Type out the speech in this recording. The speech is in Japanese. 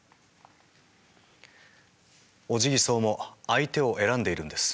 オジギソウも相手を選んでいるんです。